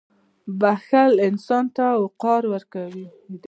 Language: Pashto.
• بښل انسان ته وقار ورکوي.